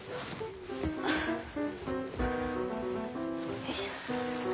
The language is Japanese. よいしょ。